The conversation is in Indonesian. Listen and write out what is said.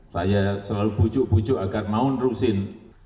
saya selalu bujuk bujuk agar mau nerusin